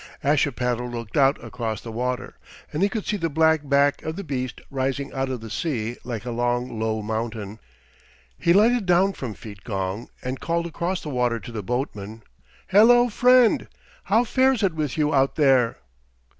Ashipattle looked out across the water, and he could see the black back of the beast rising out of the sea like a long low mountain. He lighted down from Feetgong and called across the water to the boatman, "Hello, friend! How fares it with you out there?"